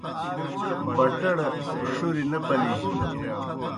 بٹڑ ݜُریْ نہ پلِجنَن